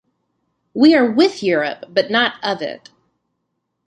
We are with Europe, but not of it.